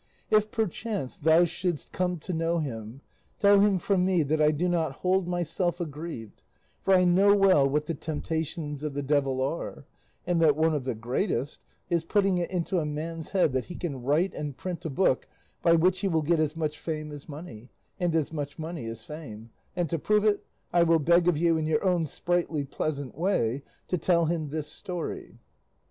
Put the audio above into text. If perchance thou shouldst come to know him, tell him from me that I do not hold myself aggrieved; for I know well what the temptations of the devil are, and that one of the greatest is putting it into a man's head that he can write and print a book by which he will get as much fame as money, and as much money as fame; and to prove it I will beg of you, in your own sprightly, pleasant way, to tell him this story.